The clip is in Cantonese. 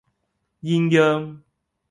鴛鴦